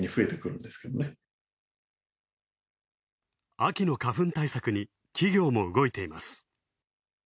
秋の花粉対策に企業も動いています。